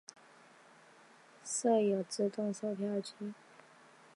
设有自动售票机。